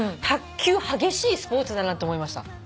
卓球激しいスポーツだなって思いました。